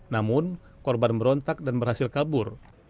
namun korban merontak dan berhasil kabur